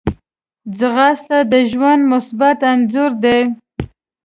ځغاسته د ژوند مثبت انځور دی